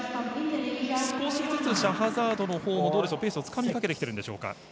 少しずつ、シャハザードのほうもペースをつかみかけてるんでしょうか。